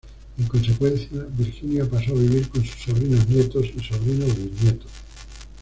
En consecuencia, Virginia pasó a vivir con sus sobrinos-nietos y sobrinos-bisnietos.